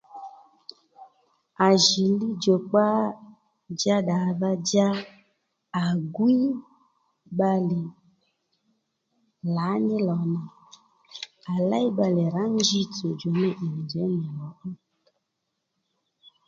À ji lidjòkpa dja ddadhadja à gwíy bbalè lǎní lò nà à léy bbalè rǎ njitsò djò ney ì nì njěy nì lò ó